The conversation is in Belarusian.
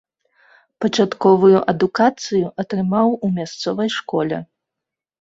Пачатковую адукацыю атрымаў у мясцовай школе.